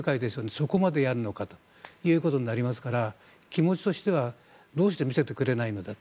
そこまでやるのかということになりますから気持ちとしてはどうして見せてくれないんだと。